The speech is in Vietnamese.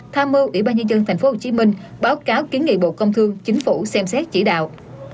tham mưu ủy ban nhân dân thành phố hồ chí minh báo cáo kiến nghị bộ công thương chính phủ xem xét chỉ đạo